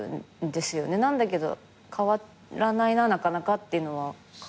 なんだけど変わらないななかなかってのは感じる。